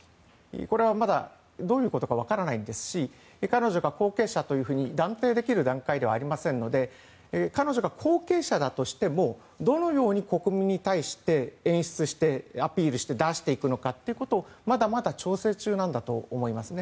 これはまだどういうことかわからないですし彼女が後継者と断定できる段階ではありませんので彼女が後継者だとしてもどのように国民に対して演出してアピールして出していくのかということをまだまだ調整中なんだと思いますね。